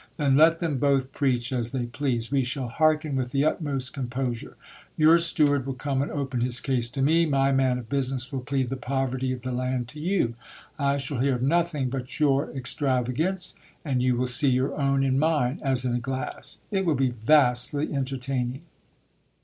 Then let them both preach as they please ; we shall hearken with the utmost composure. Your steward will come and open his case to me ; my man of business will plead the poverty of the land to you. I shall hear of nothing but your extravagance ; and you will see your own in mine as in a glass. It will be vastly entertaining.'